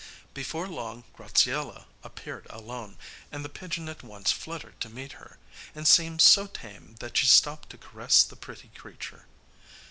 Before long Graziella appeared alone, and the pigeon at once fluttered to meet her, and seemed so tame that she stopped to caress the pretty creature.